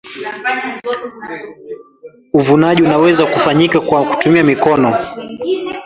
uvunaji unaweza kufanyika kwa kutumia mikono